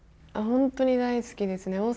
本当に大好きですね。